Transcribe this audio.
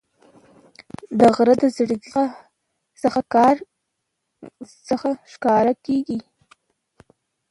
د غره زرکې څنګه ښکار کیږي؟